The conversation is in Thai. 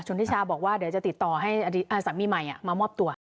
ทิชาบอกว่าเดี๋ยวจะติดต่อให้สามีใหม่มามอบตัว